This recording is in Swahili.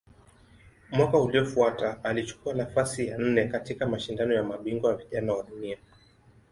Mwaka uliofuata alichukua nafasi ya nne katika Mashindano ya Mabingwa Vijana wa Dunia.